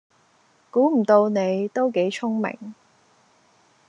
估唔到你都幾聰明